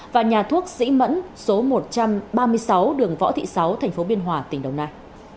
và nhà thuốc sĩ mẫn số một trăm ba mươi sáu đường võ thị sáu tp biên hòa tỉnh đồng nai